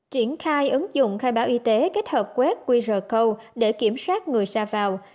triển khai ứng dụng khai báo y tế kết hợp quét quý rờ câu để kiểm soát người ra vào